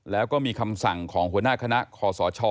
แล้วก็มีคำสั่งของหัวหน้าคณะคอสช